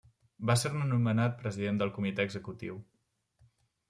Va ser-ne nomenat president del Comitè Executiu.